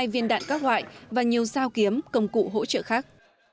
năm mươi hai viên đạn các loại và nhiều dao kiếm công cụ hỗ trợ khác